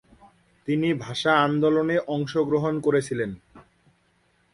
তিনি ভাষা আন্দোলনে অংশগ্রহণ করেছিলেন।